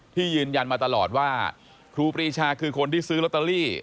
ยืนยันมาตลอดว่าครูปรีชาคือคนที่ซื้อลอตเตอรี่